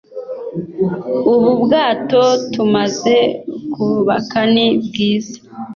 ubu bwato tumaze kubaka ni bwiza--